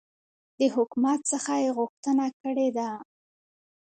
د حکومت څخه یي غوښتنه کړې ده